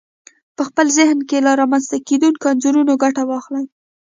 په خپل ذهن کې له رامنځته کېدونکو انځورونو ګټه واخلئ.